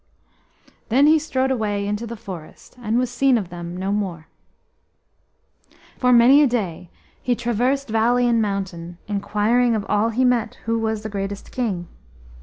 Then he strode away into the forest and was seen of them no more. For many a day he traversed valley and mountain, inquiring of all he met who was the greatest king.